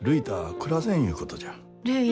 暮らせんいうことじゃ。